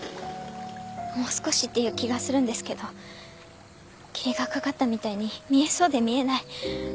もう少しっていう気がするんですけど霧がかかったみたいに見えそうで見えない。